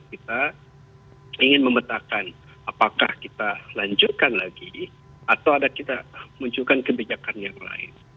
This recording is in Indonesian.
kita ingin memetakan apakah kita lanjutkan lagi atau ada kita munculkan kebijakan yang lain